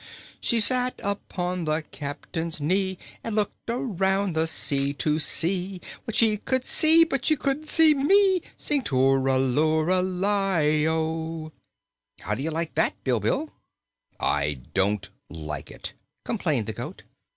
She sat upon the Captain's knee And looked around the sea to see What she could see, but she couldn't see me Sing too ral oo ral i do! "How do you like that, Bilbil?" "I don't like it," complained the goat.